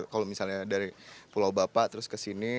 kalau misalnya dari pulau bapak terus ke sini